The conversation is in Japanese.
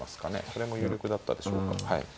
それも有力だったでしょうかはい。